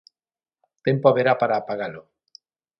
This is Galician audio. Tempo haberá para apagalo.